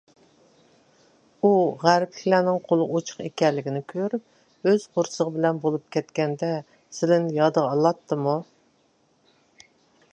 ئۇ غەربلىكلەرنىڭ قولى ئوچۇق ئىكەنلىكىنى كۆرۈپ، ئۆز قورسىقى بىلەن بولۇپ كەتكەندە سىلىنى يادىغا ئالاتتىمۇ؟